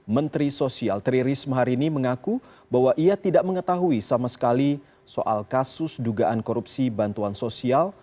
menteri sosial tri risma hari ini mengaku bahwa ia tidak mengetahui sama sekali soal kasus dugaan korupsi bantuan sosial